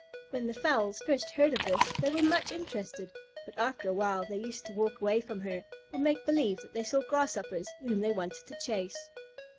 When the fowls first heard of this, they were much interested, but after a while they used to walk away from her, or make believe that they saw Grasshoppers whom they wanted to chase.